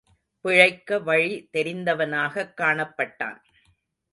பிழைக்க வழி தெரிந்தவனாகக் காணப்பட்டான்.